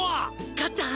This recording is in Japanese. かっちゃん